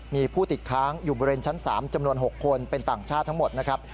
มีผู้ติดค้างอยู่บริเวณชั้น๓จำนวน๖คนเป็นต่างชาติทั้งหมดนะครับ